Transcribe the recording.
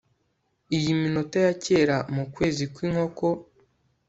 iyi minota ya kera mukwezi kwinkoko